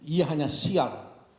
ia hanya siar